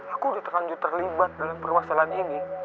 aku udah terlanjut terlibat dalam permasalahan ini